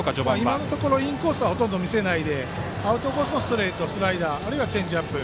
今のところインコースはほぼ見せないでアウトコースのストレートスライダー、チェンジアップ。